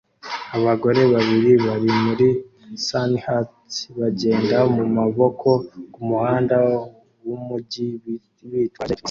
Abagore babiri bari muri sunhats bagenda mumaboko kumuhanda wumujyi bitwaje isakoshi